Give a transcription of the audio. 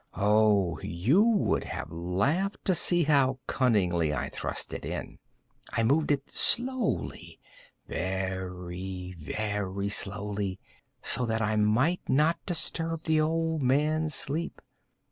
Oh, you would have laughed to see how cunningly I thrust it in! I moved it slowly—very, very slowly, so that I might not disturb the old man's sleep.